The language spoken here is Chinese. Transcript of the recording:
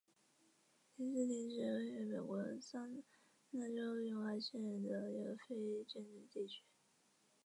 斯廷是位于美国亚利桑那州尤马县的一个非建制地区。